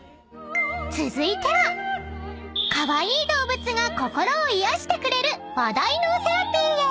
［続いてはカワイイ動物が心を癒やしてくれる話題のセラピーへ］